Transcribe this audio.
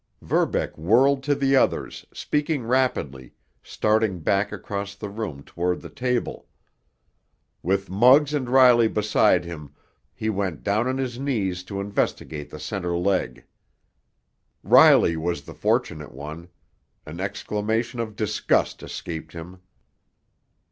Verbeck whirled to the others, speaking rapidly, starting back across the room toward the table. With Muggs and Riley beside him, he went down on his knees to investigate the center leg. Riley was the fortunate one. An exclamation of disgust escaped him.